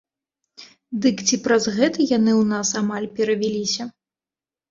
Дык ці праз гэта яны ў нас амаль перавяліся?